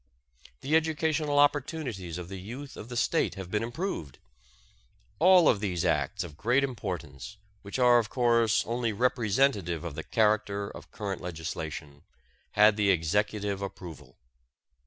The educational opportunities of the youth of the State have been improved. All of these acts of great importance, which are of course only representative of the character of current legislation, had the executive approval.